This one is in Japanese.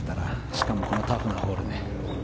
しかもこのタフなホールで。